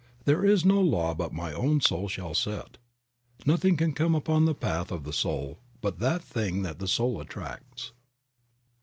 "There is no law but my own soul shall set." Nothing can come upon the path of the soul but that thing that the soul attracts.